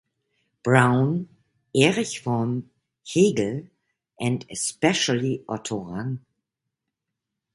Brown, Erich Fromm, Hegel, and especially Otto Rank.